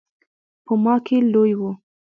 په ما کې لوی و.